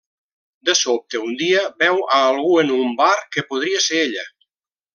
De sobte, un dia, veu a algú en un bar que podria ser ella.